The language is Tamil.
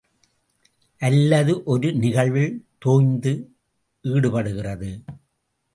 அல்லது ஒரு நிகழ்வில் தோய்ந்து ஈடுபடுகிறது.